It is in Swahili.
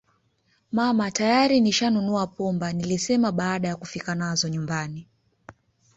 Mama tayari nishanunua pumba nilisema baada ya kufika nazo nyumbani